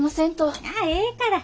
ああええから。